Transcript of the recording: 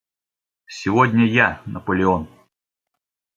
Сегодня я – Наполеон!